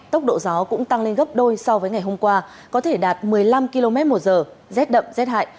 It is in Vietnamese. tốc độ gió cũng tăng lên gấp đôi so với ngày hôm qua có thể đạt một mươi năm km một giờ rét đậm rét hại